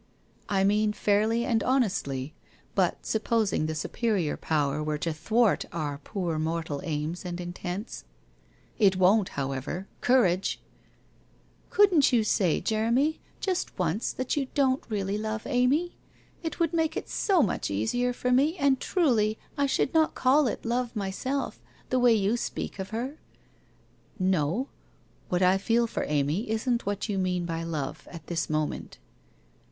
' I mean fairly and honestly, but supposing the Su perior Power were to thwart our poor mortal aims and intents ?... It won't, however ! Courage !'' Couldn't you say, Jeremy, just once, that you don't really love Amy? It would make it so much easier for me, and truly, I should not call it Love, myself, the way you speak of her ?'' No, what I feel for Amy isn't what you mean by love, at this moment.'